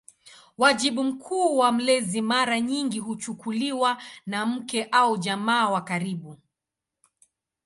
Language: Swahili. Wajibu mkuu wa mlezi mara nyingi kuchukuliwa na mke au jamaa wa karibu.